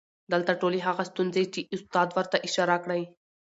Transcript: دلته ټولې هغه ستونزې چې استاد ورته اشاره کړى